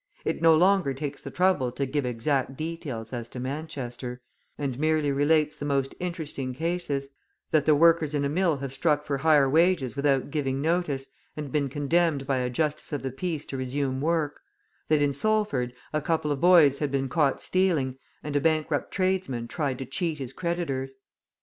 It no longer takes the trouble to give exact details as to Manchester, and merely relates the most interesting cases: that the workers in a mill have struck for higher wages without giving notice, and been condemned by a Justice of the Peace to resume work; that in Salford a couple of boys had been caught stealing, and a bankrupt tradesman tried to cheat his creditors.